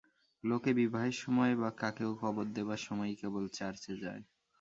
লোকে বিবাহের সময় বা কাকেও কবর দেবার সময়েই কেবল চার্চে যায়।